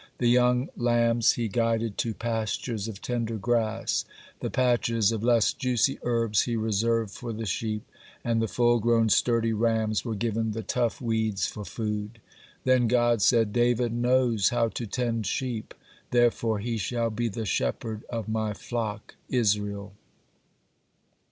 The young lambs he guided to pastures of tender grass; the patches of less juicy herbs he reserved for the sheep; and the full grown sturdy rams were given the tough weeds for food. Then God said: "David knows how to tend sheep, therefore he shall be the shepherd of my flock Israel."